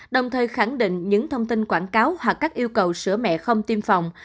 đồng thời khẳng định những thông tin quảng cáo hoặc các yêu cầu sữa mẹ không tiêm phòng